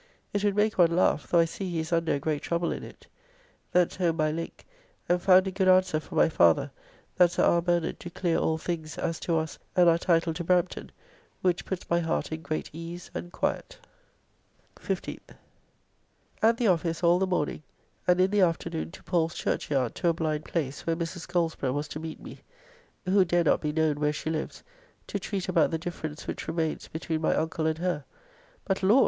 It would make one laugh, though I see he is under a great trouble in it. Thence home by link and found a good answer from my father that Sir R. Bernard do clear all things as to us and our title to Brampton, which puts my heart in great ease and quiet. 15th. At the office all the morning, and in the afternoon to Paul's Churchyard to a blind place, where Mrs. Goldsborough was to meet me (who dare not be known where she lives) to treat about the difference which remains between my uncle and her. But, Lord!